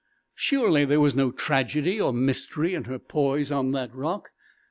Surely there was no tragedy or mystery in her poise on that rock!